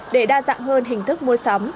để đa dạng hơn hình thức mua sắm